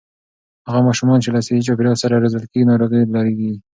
هغه ماشومان چې له صحي چاپېريال سره روزل کېږي، ناروغۍ لږېږي.